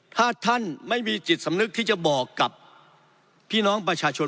ถ้าท่านไม่มีจิตสำนึกที่จะบอกกับพี่น้องประชาชน